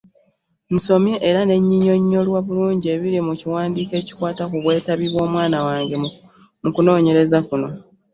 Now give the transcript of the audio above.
Nsomye era ne nnyinyonnyolwa bulungi ebiri mu kiwandiiko ekikwata ku bwetabi bw’omwana wange mu kunoonyereza kuno